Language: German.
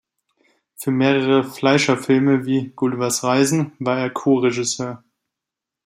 Für mehrere Fleischer-Filme wie "Gullivers Reisen" war er auch Co-Regisseur.